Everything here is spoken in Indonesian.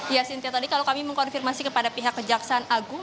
ya sintia tadi kalau kami mengkonfirmasi kepada pihak kejaksaan agung